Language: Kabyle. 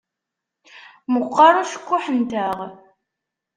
Meqqeṛ ucekkuḥ-nteɣ.